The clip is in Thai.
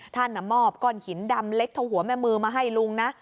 มอบก้อนหินดำเล็กเท่าหัวแม่มือมาให้ลุงนะ